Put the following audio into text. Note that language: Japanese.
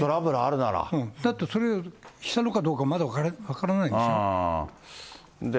だって、それをしたのかどうかまだ分からないですよ。